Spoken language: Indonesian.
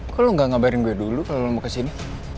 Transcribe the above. kok lo gak ngabarin gue dulu kalau lo mau kesini